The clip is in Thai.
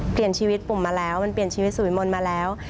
เปลี่ยนชีวิตปุ่มมาแล้วมันเปลี่ยนชีวิตสุวิมนต์มาแล้ว